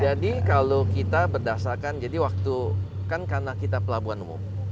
jadi kalau kita berdasarkan jadi waktu kan karena kita pelabuhan umum